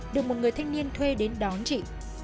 được một người thanh niên thuê đến đón chị